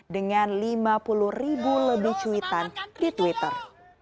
dengan lima puluh ribu lebih cuitan di twitter